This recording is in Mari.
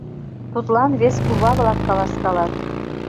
Тудлан вес кува-влак каласкалат: